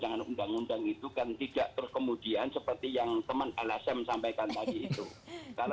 jangan undang undang itu kan tidak terkemudian seperti yang teman lsm sampaikan tadi itu